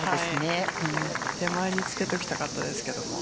手前につけておきたかったですけど。